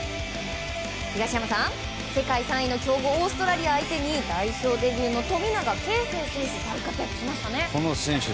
東山さん、世界３位の強豪オーストラリア相手に代表デビューの富永啓生選手